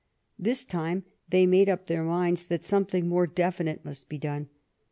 This time they made up their minds that something more definite must be done.